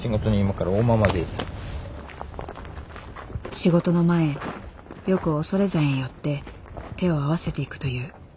仕事の前よく恐山へ寄って手を合わせていくという。